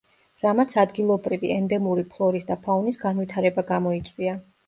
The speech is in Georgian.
რამაც ადგილობრივი, ენდემური ფლორის და ფაუნის განვითარება გამოიწვია.